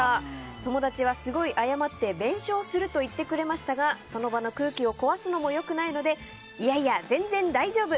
友達はすごい謝って弁償すると言ってくれましたがその場の空気を壊すのも良くないのでいやいや全然大丈夫！